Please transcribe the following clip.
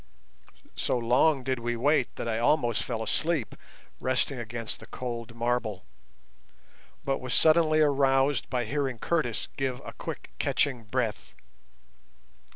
So long did we wait that I almost fell asleep resting against the cold marble, but was suddenly aroused by hearing Curtis give a quick catching breath.